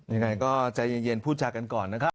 ยังไงก็ใจเย็นพูดจากันก่อนนะครับ